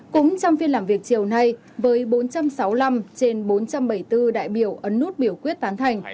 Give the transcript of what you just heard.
cũng trong phiên làm việc chiều nay với bốn trăm sáu mươi năm trên bốn trăm bảy mươi bốn đại biểu ấn nút biểu quyết tán thành